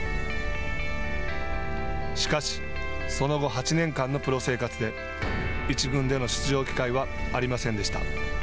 しかしその後８年間のプロ生活で１軍での出場機会はありませんでした。